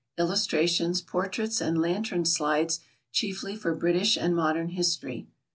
Illustrations, Portraits and Lantern Slides Chiefly for British and Modern History.